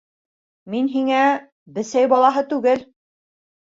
Мин һиңә... бесәй балаһы түгел!